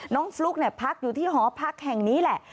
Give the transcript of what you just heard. ฟลุ๊กพักอยู่ที่หอพักแห่งนี้แหละ